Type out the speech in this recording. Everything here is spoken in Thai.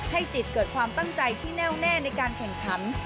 จิตเกิดความตั้งใจที่แน่วแน่ในการแข่งขัน